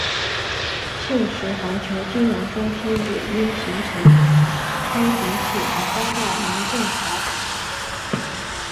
现时环球金融中心也因形如开瓶器而遭到民众调侃。